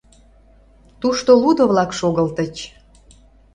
Тушто лудо-влак шогылтыч.